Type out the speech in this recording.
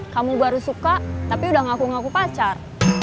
kamu baru suka tapi udah ngaku ngaku pacar